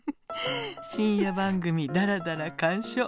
深夜番組だらだら鑑賞。